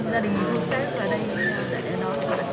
gia đình mình thu xếp và đây để đón